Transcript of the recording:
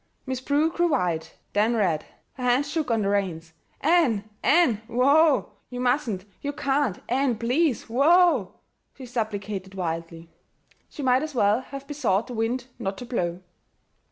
Miss Prue grew white, then red. Her hands shook on the reins. "Ann, Ann, whoa! You mustn't you can't! Ann, please whoa!" she supplicated wildly. She might as well have besought the wind not to blow.